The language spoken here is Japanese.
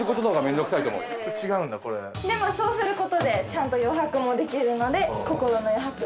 でもそうする事でちゃんと余白もできるので。